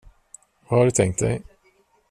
Vad har du tänkt dig?